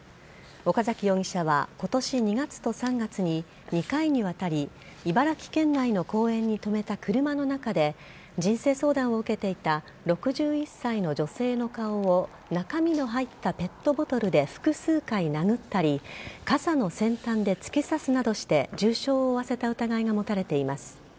岡崎容疑者は今年２月と３月に２回にわたり茨城県内の公園に止めた車の中で人生相談を受けていた６１歳の女性の顔を中身の入ったペットボトルで複数回殴ったり傘の先端で突き刺すなどして重傷を負わせた疑いが持たれています。